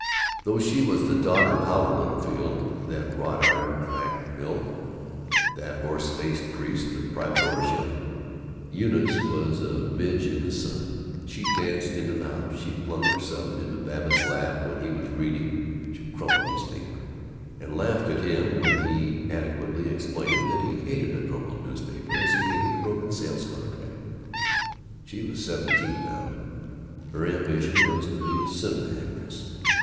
Though she was the daughter of Howard Littlefield, that wrought iron fact mill, that horse faced priest of private ownership, Eunice was a midge in the sun. She danced into the house, she flung herself into Babbitt's lap when he was reading, she crumpled his paper, and laughed at him when he adequately explained that he hated a crumpled newspaper as he hated a broken sales contract. She was seventeen now. Her ambition was to be a cinema actress.